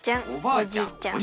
おじいちゃん。